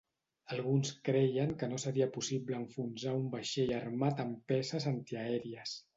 Alguns creien que no seria possible enfonsar un vaixell armat amb peces antiaèries.